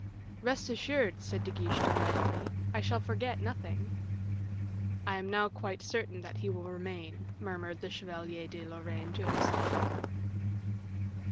"Rest assured," said De Guiche, delightedly, "I shall forget nothing." "I am now quite certain that he will remain," murmured the Chevalier de Lorraine to himself.